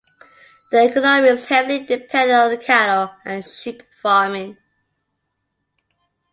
The economy is heavily dependent on cattle and sheep farming.